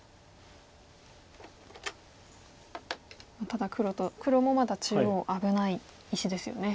ただ黒もまだ中央危ない石ですよね。